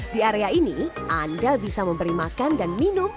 di area ini anda bisa memberi makan dan minum